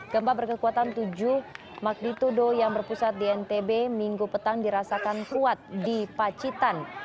gempa berkekuatan tujuh magnitudo yang berpusat di ntb minggu petang dirasakan kuat di pacitan